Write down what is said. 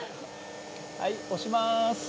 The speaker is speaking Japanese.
はい押します。